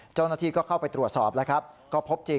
เจ้าหน้าที่ก็เข้าไปตรวจสอบแล้วครับ